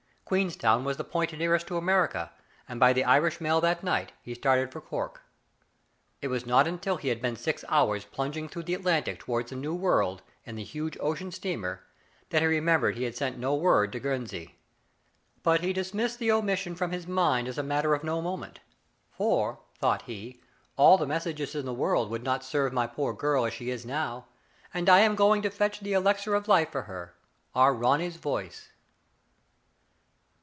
Queenstown was the point nearest to America, and, by the Irish mail that night, he started for Cork. It was not until he had been six hours plung ing through the Atlantic toward the New World, in the huge ocean steamer, that he remembered he had sent no word to Guernsey. But he dis missed the omission from his mind as a matter of no moment ;" for/' thought he, " all the mes sages in the world would not serve my poor girl as she now is, and I am going to fetch the elixir of life for her — our Ronny's voice.